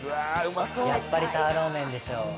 やっぱりターローメンでしょ。